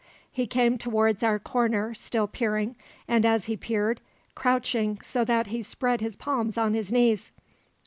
He came towards our corner, still peering, and, as he peered, crouching to that he spread his palms on his knees.